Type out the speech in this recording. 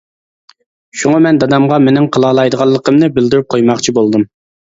شۇڭا مەن دادامغا مېنىڭ قىلالايدىغىنىمنى بىلدۈرۈپ قويماقچى بولدۇم!